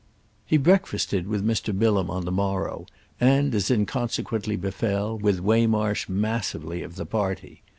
He breakfasted with Mr. Bilham on the morrow, and, as inconsequently befell, with Waymarsh massively of the party.